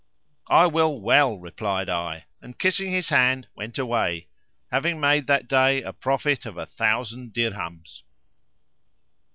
"I will well," replied I and kissing his hand went away, having made that day a profit of a thousand dirhams.